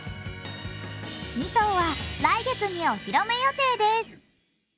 ２頭は、来月にお披露目予定です。